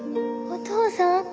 お父さん！